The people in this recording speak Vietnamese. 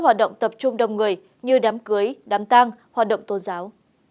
hoạt động tập trung đông người như đám cưới đám tang hoạt động tôn giáo